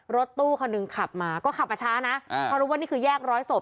รถตู้คันหนึ่งขับมาก็ขับมาช้านะเพราะรู้ว่านี่คือแยกร้อยศพ